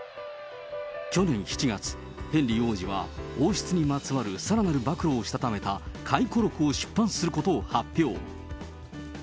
去年７月、ヘンリー王子は、王室にまつわるさらなる暴露をしたためた回顧録を出版することを発表。